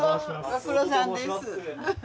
ご苦労さんです。